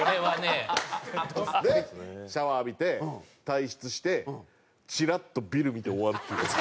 で、シャワー浴びて退出してチラッと、ビル見て終わるっていうやつです。